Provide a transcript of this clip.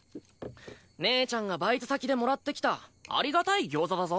姉ちゃんがバイト先でもらってきたありがたい餃子だぞ。